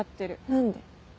何で？